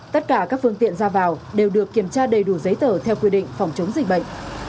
tất cả các phương tiện ra vào đều được kiểm tra đầy đủ giấy tờ theo quy định phòng chống dịch bệnh